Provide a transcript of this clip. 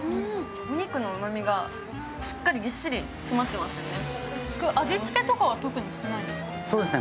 お肉のうまみがしっかり、ぎっしり詰まってますよね。